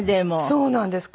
そうなんです。